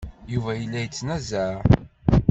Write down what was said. Yuba yella yettnazaɛ.